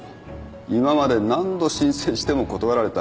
今まで何度申請しても断られた。